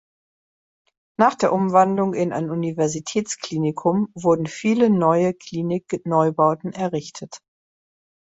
Nach der Umwandlung in ein Universitätsklinikum wurden viele neue Klinik-Neubauten errichtet.